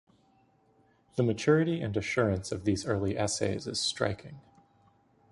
The maturity and assurance of these early essays is striking.